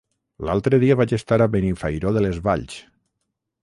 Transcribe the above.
L'altre dia vaig estar a Benifairó de les Valls.